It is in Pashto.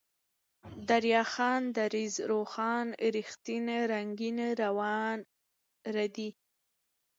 دريا خان ، دريځ ، روښان ، رښتين ، رنگين ، روان ، ريدی